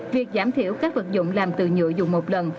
việc giảm thiểu các vật dụng làm từ nhựa dùng một lần